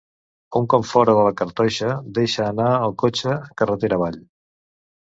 Un cop fora de la cartoixa deixa anar el cotxe carretera avall.